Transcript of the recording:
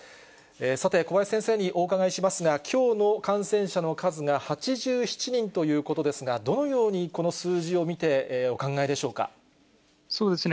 さて、小林先生にお伺いしますが、きょうの感染者の数が８７人ということですが、どのようにこの数そうですね。